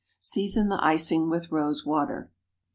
Season the icing with rose water.